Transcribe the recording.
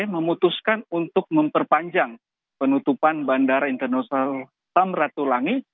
memutuskan untuk memperpanjang penutupan bandara internasional tamratulangi